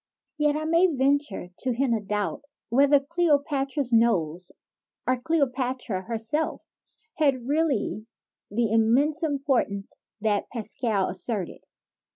Yet I may venture to hint a doubt whether Cleo patra's nose or Cleopatra herself, had really the immense importance that Pascal asserted.